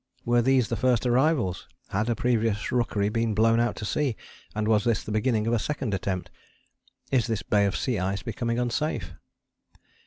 Were these the first arrivals? Had a previous rookery been blown out to sea and was this the beginning of a second attempt? Is this bay of sea ice becoming unsafe?